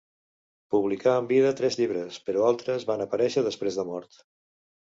Publicà en vida tres llibres, però altres van aparèixer després de mort.